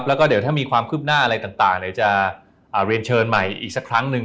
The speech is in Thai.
แล้วก็เดี๋ยวถ้ามีความคืบหน้าอะไรต่างเดี๋ยวจะเรียนเชิญใหม่อีกสักครั้งหนึ่ง